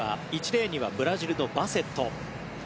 １レーンにはブラジルのバセット。